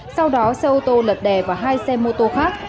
sau đó xe ô tô lật đè vào hai xe mô tô khác